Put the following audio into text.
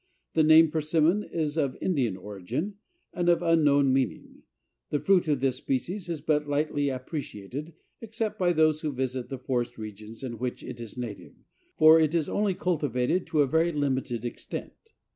The name Persimmon is of Indian origin and of unknown meaning. The fruit of this species is but lightly appreciated except by those who visit the forest regions in which it is native, for it is only cultivated to a very limited extent.